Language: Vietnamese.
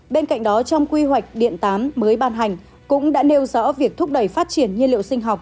bên cạnh đó trong quy hoạch điện tám mới ban hành cũng đã nêu rõ việc thúc đẩy phát triển nhiên liệu sinh học